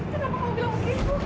kenapa kamu bilang begitu